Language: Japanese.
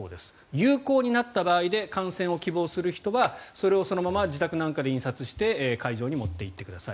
有効になった場合で観戦を希望する人はそれをそのまま自宅なんかで印刷して会場に持っていってください。